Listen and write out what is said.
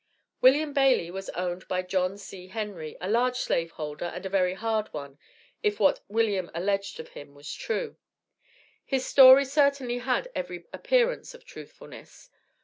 William Bailey was owned by John C. Henry, a large slave holder, and a very "hard" one, if what William alleged of him was true. His story certainly had every appearance of truthfulness.